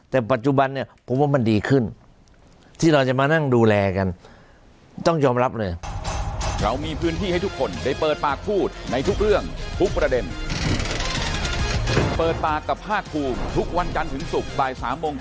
แต่ปัจจุบันเนี่ยผมว่ามันดีขึ้นที่เราจะมานั่งดูแลกันต้องยอมรับเลย